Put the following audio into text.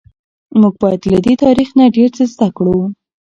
موږ باید له دې تاریخ نه ډیر څه زده کړو.